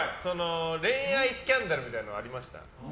恋愛スキャンダルみたいなのはありました？